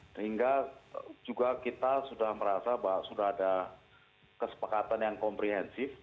sehingga juga kita sudah merasa bahwa sudah ada kesepakatan yang komprehensif